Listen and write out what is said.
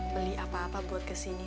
beli apa apa buat kesini